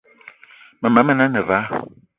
Mema men ane vala,